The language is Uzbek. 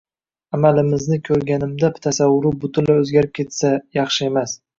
amalimizni ko‘rganida tasavvuri butunlay o‘zgarib ketsa, yaxshi emas.